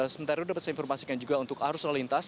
sementara itu dapat saya informasikan juga untuk arus lalintas